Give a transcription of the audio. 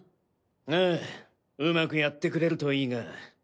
あぁうまくやってくれるといいが。